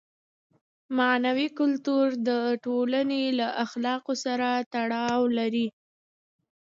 معنوي کلتور د ټولنې له اخلاقو سره تړاو لري.